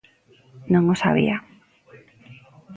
Non os había.